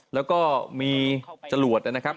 แล้วก็มีจรวดนะครับ